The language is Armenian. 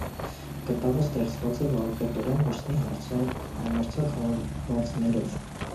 Կտավը ստեղծված է վարպետորեն, վրձնի համարձակ հարվածներով։